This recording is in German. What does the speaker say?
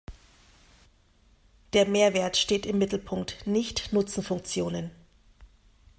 Der Mehrwert steht im Mittelpunkt, nicht Nutzenfunktionen.